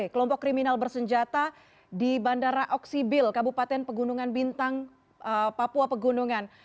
kelompok kriminal bersenjata di bandara oksibil kabupaten pegunungan bintang papua pegunungan